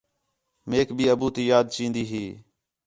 میک بھی ابو تی یاد چین٘دی ہی